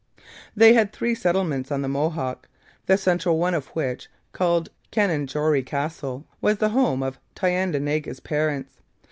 They had three settlements on the Mohawk, the central one of which, called Canajoharie Castle, was the home of Thayendanegea's parents.